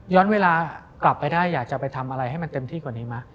เวลากลับไปได้อยากจะไปทำอะไรให้มันเต็มที่กว่านี้ไหม